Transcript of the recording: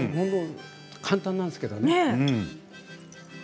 簡単なんですけどね。